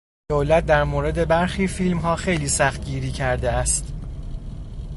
دولت در مورد برخی فیلمها خیلی سختگیری کردهاست.